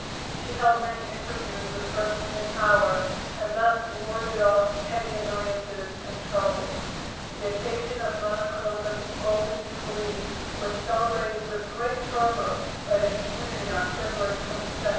She held many interviews with persons in power, and thus warded off petty annoyances and troubles. The occasion of Mother Columba's golden jubilee was celebrated with great fervor by the community on February 22, 1877.